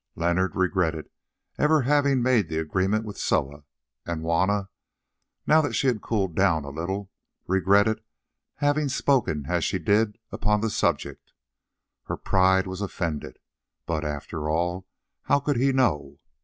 Leonard regretted ever having made the agreement with Soa, and Juanna, now that she had cooled down a little, regretted having spoken as she did upon the subject. Her pride was offended; but, after all, how could he know?